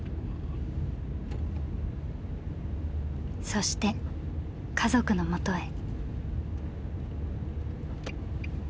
そして家族のもとへ。